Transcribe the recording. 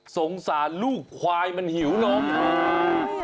สงสารลูกควายมันหิวน้องค่ะ